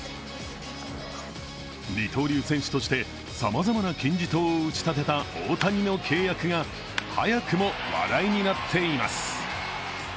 二刀流選手としてさまざまな金字塔を打ち立てた大谷の契約が早くも話題になっています。